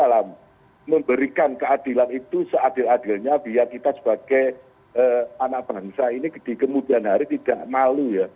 memberikan keadilan itu seadil adilnya biar kita sebagai anak bangsa ini di kemudian hari tidak malu ya